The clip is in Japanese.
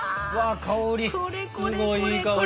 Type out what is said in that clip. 香りすごいいい香り。